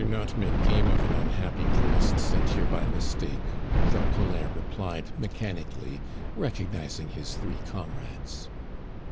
"Do not make game of an unhappy priest sent here by mistake," Jacques Collin replied mechanically, recognizing his three comrades.